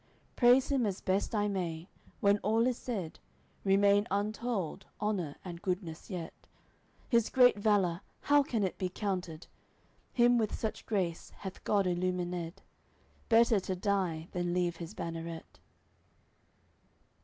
Praise him as best I may, when all is said, Remain untold, honour and goodness yet. His great valour how can it be counted? Him with such grace hath God illumined, Better to die than leave his banneret."